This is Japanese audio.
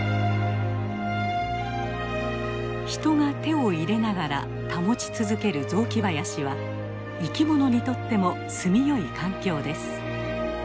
人が手を入れながら保ち続ける雑木林は生きものにとってもすみよい環境です。